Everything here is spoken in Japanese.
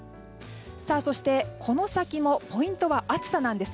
そして、この先もポイントは暑さです。